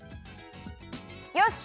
よし！